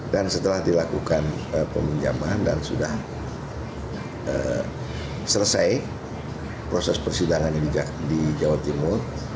dan setelah dilakukan peminjaman dan sudah selesai proses persidangan di jawa timur